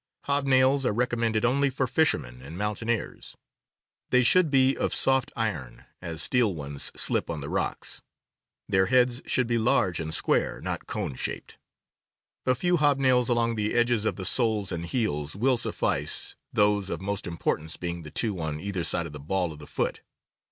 Hob nails are recommended only for fishermen and mountaineers. They should be of soft iron, as steel ones slip on the rocks. Their heads should be large and square, not cone shaped. A few hob nails along the edges of the soles and heels will suflfice, those of most importance being the two on either side of the ball of the foot.